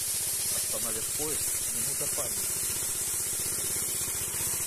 Остановят поезд — минута паники.